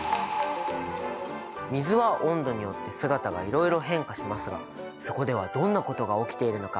水は温度によって姿がいろいろ変化しますがそこではどんなことが起きているのか！？